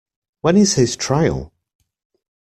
When is his trial?